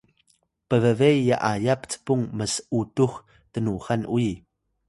pbbe y’aya pcpung ms’utux tnuxan uyi